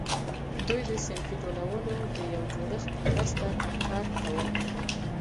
دوی د صنفي ټولنو د یو جوړښت په مرسته دا کار کاوه.